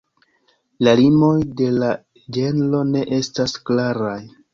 La limoj de la ĝenro ne estas klaraj.